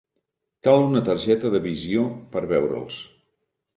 Cal una targeta de visió per veure'ls.